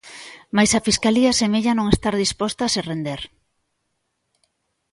Mais a Fiscalía semella non estar disposta a se render.